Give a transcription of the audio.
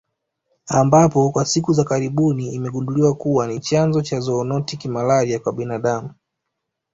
Ambapo kwa siku za karibuni imegunduliwa kuwa ni chanzo cha zoonotic malaria kwa binadamu